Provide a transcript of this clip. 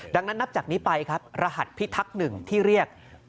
ดังนั้นนับจากนี้ไปครับรหัสพิทักษ์๑ที่เรียก